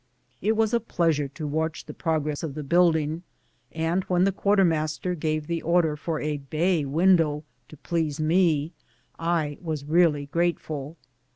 It was a pleasure to watch the progress of the building, and when the quartermaster gave the order for a bay window, to please me, I was really grateful.